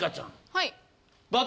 はい。